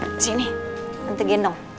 disini tante gendong